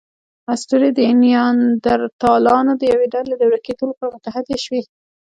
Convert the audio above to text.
اسطورې د نیاندرتالانو د یوې ډلې د ورکېدو لپاره متحدې شوې.